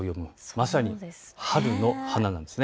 まさに春の花なんです。